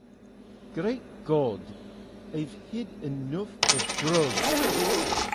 Great God, I’ve had enough of drugs!